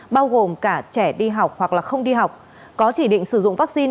bao gồm cả trẻ đi học hoặc là không đi học có chỉ định sử dụng vaccine